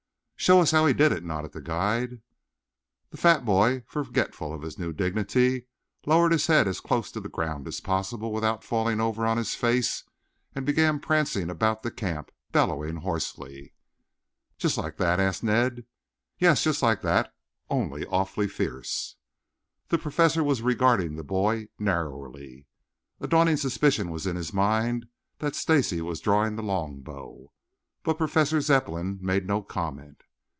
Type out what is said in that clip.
"Show us how he did it," nodded the guide. The fat boy, forgetful of his new dignity, lowered his head as close to the ground as possible without falling over on his face and began prancing about the camp, bellowing hoarsely. "Just like that?" asked Ned. "Yes, just like that, only awfully fierce!" The Professor was regarding the boy narrowly. A dawning suspicion was in his mind that Stacy was drawing the longbow. But Professor Zepplin made no comment.